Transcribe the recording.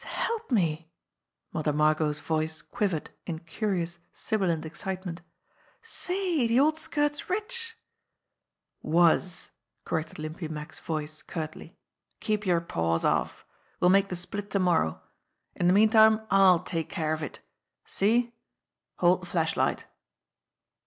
"S'help me !" Mother Margot's voice quivered in curious, sibilant excitement. "Say, de old skirt's rich !" "Was," corrected Limpy Mack's voice curtly. "Keep your paws off! We'll make the split to morrow. In the meantime I'll take care of it. See? Hold the flashlight."